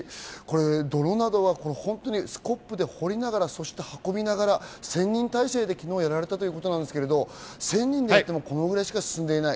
泥などはスコップで掘りながら運びながら１０００人態勢でやったということですが、それでもこのぐらいしか進んでいない。